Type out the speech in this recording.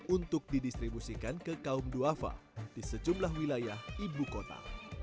untuk didistribusikan ke kaum duafa di sejumlah wilayah ibu kota